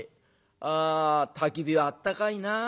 「あたき火はあったかいな」。